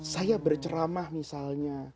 saya berceramah misalnya